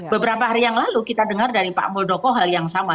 beberapa hari yang lalu kita dengar dari pak muldoko hal yang sama